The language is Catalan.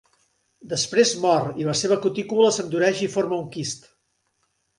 Després mor i la seva cutícula s'endureix i forma un quist.